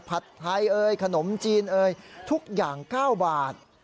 ผัดไทยขนมจีนทุกอย่าง๙บาท